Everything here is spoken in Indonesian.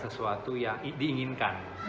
sesuatu yang diinginkan